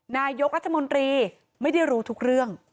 นายกรัฐมนตรีไม่ได้รู้ทุกเรื่อง